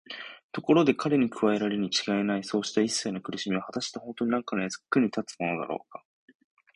ところで彼に加えられるにちがいないそうしたいっさいの苦しみは、はたしてほんとうになんかの役に立つものだろうか。